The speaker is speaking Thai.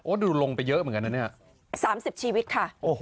โอ้ดูลงไปเยอะเหมือนกันน่ะเนี่ยสามสิบชีวิตค่ะโอ้โห